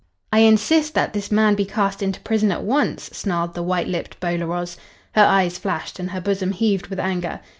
"I insist that this man be cast into prison at once," snarled the white lipped Bolaroz. Her eyes flashed and her bosom heaved with anger.